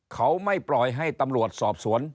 เขาไม่ปล่อยให้ตำรวจสอบสวน